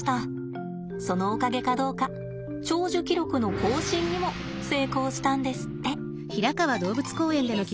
そのおかげかどうか長寿記録の更新にも成功したんですって。